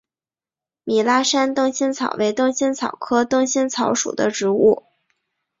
米拉山灯心草为灯心草科灯心草属的植物。